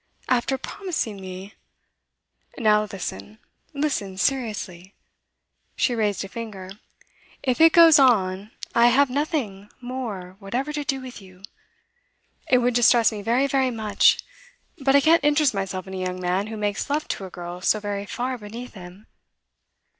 After promising me! Now listen; listen seriously.' She raised a finger. 'If it goes on, I have nothing more whatever to do with you. It would distress me very, very much; but I can't interest myself in a young man who makes love to a girl so very far beneath him.